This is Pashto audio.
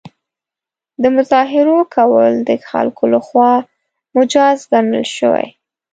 د مظاهرو کول د خلکو له خوا مجاز ګڼل شوي.